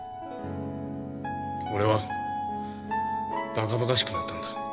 俺はバカバカしくなったんだ。